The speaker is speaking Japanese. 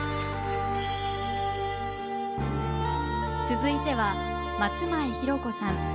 続いては松前ひろ子さん